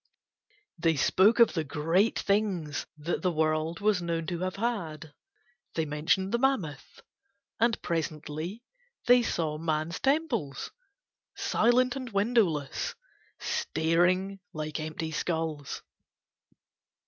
They spoke of the great things that the world was known to have had; they mentioned the mammoth. And presently they saw man's temples, silent and windowless, staring like empty skulls.